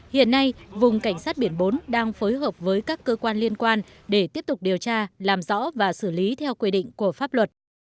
hiện nay vùng cảnh sát biển bốn đang phối hợp với các cơ quan liên quan để tiếp tục điều tra làm rõ và xử lý theo quy định của pháp luật